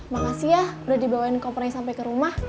makasih ya udah dibawain kopernya sampai ke rumah